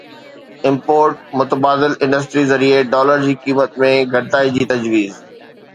import متبادل industry ذريعي dollar جي قيمت ۾ گهٽتائي جي تجويز